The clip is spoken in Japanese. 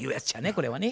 これはね。